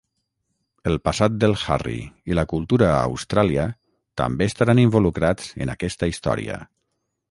El passat del Harry i la cultura a Austràlia també estaran involucrats en aquesta història.